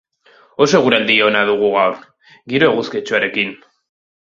Oso eguraldi ona dugu gaur, giro eguzkitsuarekin.